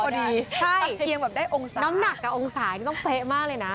ได้องศาได้องศาน้ำหนักกับองศานี่ต้องเป๊ะมากเลยนะ